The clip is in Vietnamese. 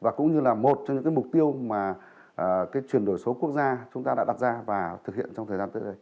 và cũng như là một trong những mục tiêu mà chuyển đổi số quốc gia chúng ta đã đặt ra và thực hiện trong thời gian tới đây